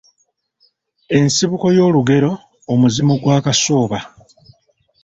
Ensibuko y’olugero Omuzimu gwa Kasooba